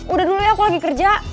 udah dulu ya aku lagi kerja